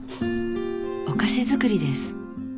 お菓子作りです